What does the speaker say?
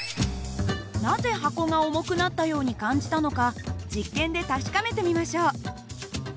なぜ箱が重くなったように感じたのか実験で確かめてみましょう。